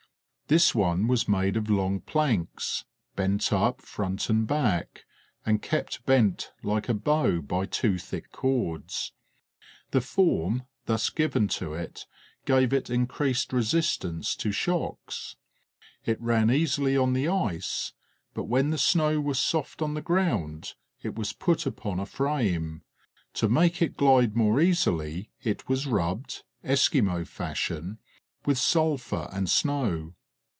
This one was made of long planks, bent up front and back, and kept bent like a bow by two thick cords; the form thus given to it gave it increased resistance to shocks; it ran easily on the ice, but when the snow was soft on the ground it was put upon a frame; to make it glide more easily it was rubbed, Esquimaux fashion, with sulphur and snow.